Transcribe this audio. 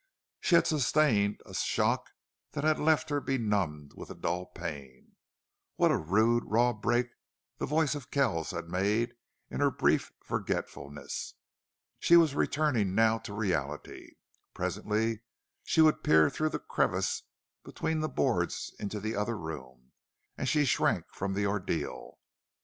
She had sustained a shock that had left her benumbed with a dull pain. What a rude, raw break the voice of Kells had made in her brief forgetfulness! She was returning now to reality. Presently she would peer through the crevice between the boards into the other room, and she shrank from the ordeal.